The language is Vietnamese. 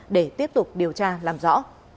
để tiếp tục điều tra làm rõ